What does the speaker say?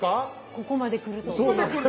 ここまで来るとね。